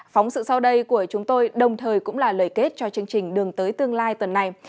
phóng sự sau đây của chúng tôi đồng thời cũng là lời kết cho chương trình đường tới tương lai tuần này